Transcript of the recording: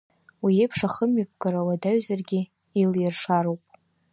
Уи еиԥш ахымҩаԥгара уадаҩзаргьы, илиршароуп.